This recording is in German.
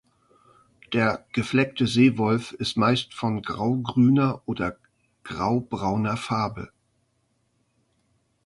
Der Gefleckte Seewolf ist meist von graugrüner oder graubrauner Farbe.